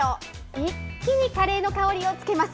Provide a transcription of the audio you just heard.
一気にカレーの香りをつけます。